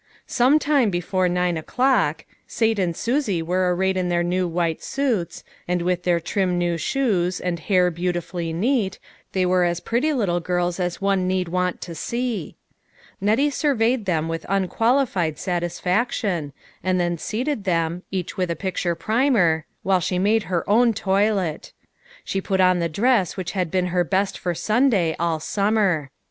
Some time before nine o'clock. Sate and Susie were arrayed in their new white suits, and with their trim new shoes, and hair beautifully neat, they were as pretty little girls as one need want to see. Nettie surveyed them with unqualified satisfaction, and then seated them, each with a picture primer, while she made her own toilet. She put on the dress which had been her best for Sunday, all summer.